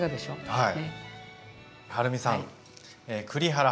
はい。